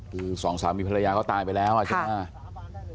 คือสองสามีภรรยาเขาตายไปแล้วใช่ไหม